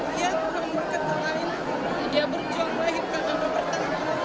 tapi dia berpikir lain dia berjuang lahirkan anak bertanggung